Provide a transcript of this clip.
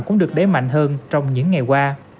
cũng được đếm mạnh hơn trong những ngày qua